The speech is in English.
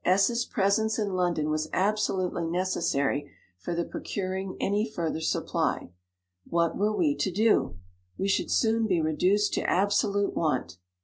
S's presence in London was absolutely necessary for the procuring any further supply. What were we to do ? we should soon be reduced to absolute want.